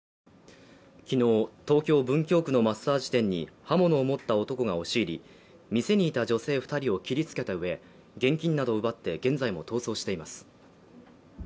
昨日、東京・文京区のマッサージ店に刃物を持った男が押し入り、店にいた女性２人を切りつけたうえ現金などを奪って現在も逃走しています。